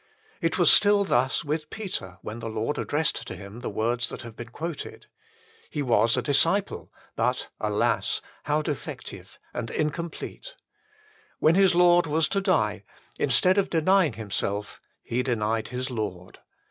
It was still thus with Peter when the Lord addressed to him the words that have been quoted. He was a disciple, but, alas ! how defective and incomplete. When his Lord was to die, instead of denying himself, he denied his Lord.